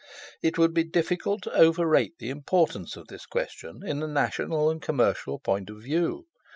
It would be difficult to overrate the importance of this question in a national and commercial point of view.